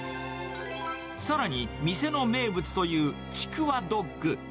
さらに、店の名物というちくわドッグ。